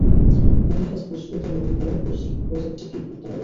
নতুন কাজ পোস্ট করতে লগ-ইন করে পোস্ট প্রোজেক্ট-এ ক্লিক করতে হবে।